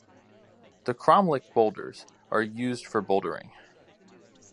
The Cromlech Boulders are used for bouldering.